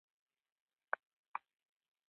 انا د قران له معناوو سره مینه لري